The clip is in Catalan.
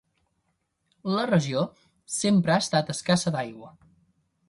La regió sempre ha estat escassa d'aigua.